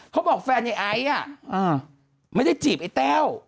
เขาบอกแฟนไอ้ไอซ์ไม่ได้จีบไอ้แต้ว